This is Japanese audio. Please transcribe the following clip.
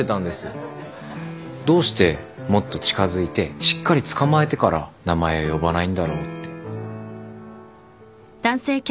どうしてもっと近づいてしっかり捕まえてから名前を呼ばないんだろうって。